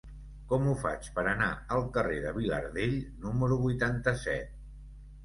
Com ho faig per anar al carrer de Vilardell número vuitanta-set?